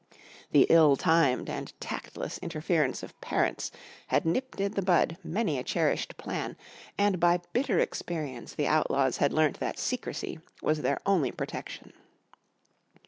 The ill timed and tactless interference of parents had nipped in the bud many a cherished plan, and by bitter experience the Outlaws had learnt that secrecy was their only protection.